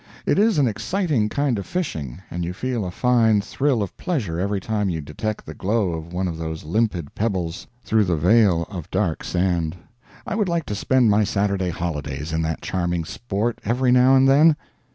It is an exciting kind of fishing, and you feel a fine thrill of pleasure every time you detect the glow of one of those limpid pebbles through the veil of dark sand. I would like to spend my Saturday holidays in that charming sport every now and then.